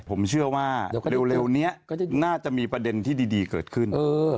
ผมเชื่อว่าเร็วนี้น่าจะมีประเด็นที่ดีเกิดขึ้น